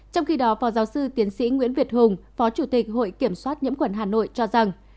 trong khi đó phó giáo sư tiến sĩ nguyễn việt hùng phó chủ tịch hội kiểm soát nhiễm khuẩn hà nội cho rằng